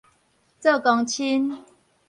做公親